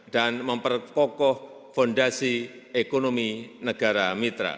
dan memperkokoh fondasi ekonomi negara mitra